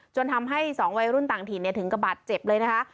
จนทำให้๒วัยรุ่นต่างถิ่นถึงกระบาดเจ็บเลยนะคะ